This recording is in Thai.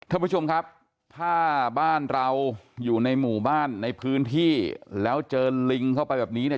ท่านผู้ชมครับถ้าบ้านเราอยู่ในหมู่บ้านในพื้นที่แล้วเจอลิงเข้าไปแบบนี้เนี่ย